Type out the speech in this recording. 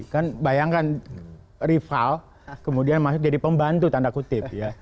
kan bayangkan rival kemudian masuk jadi pembantu tanda kutip ya